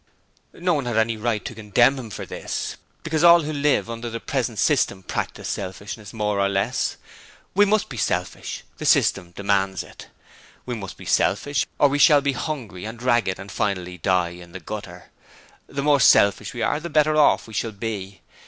No one had any right to condemn him for this, because all who live under the present system practise selfishness, more or less. We must be selfish: the System demands it. We must be selfish or we shall be hungry and ragged and finally die in the gutter. The more selfish we are the better off we shall be.